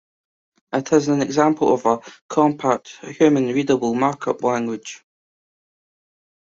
It is an example of a compact human-readable markup language.